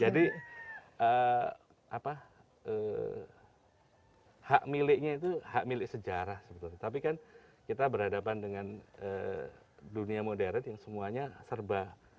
jadi hak miliknya itu hak milik sejarah sebetulnya tapi kan kita berhadapan dengan dunia modern yang semuanya serba